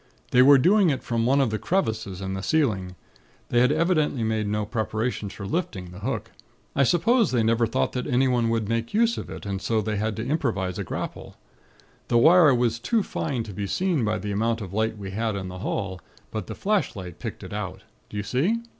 They were doing it from one of the crevices in the ceiling. They had evidently made no preparations for lifting the hook. I suppose they never thought that anyone would make use of it, and so they had to improvise a grapple. The wire was too fine to be seen by the amount of light we had in the hall; but the flashlight 'picked it out.' Do you see?